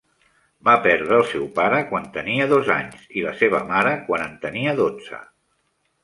Va perdre el seu pare quan tenia dos anys i la seva mare quan en tenia dotze.